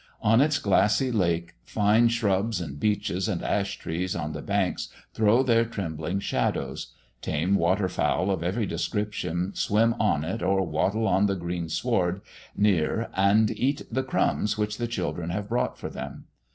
On its glassy lake fine shrubs, and beeches, and ash trees on the banks throw their trembling shadows; tame water fowl of every description swim on it or waddle on the green sward near, and eat the crumbs which the children have brought for them.